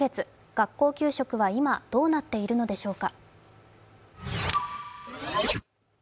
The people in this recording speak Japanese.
学校給食は今どうなっているのでしょうか。